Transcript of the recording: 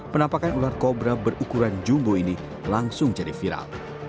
penampakan ular kobra berukuran jumbo ini langsung jadi viral